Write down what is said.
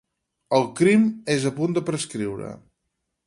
El crim és a punt de prescriure.